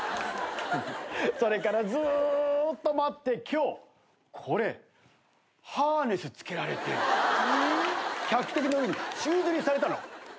それからずーっと待って今日これハーネス着けられて客席の上に宙づりにされたの。